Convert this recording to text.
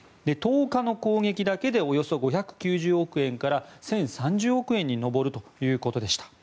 １０日の攻撃だけでおよそ５９０億円から１０３０億円に上るということでした。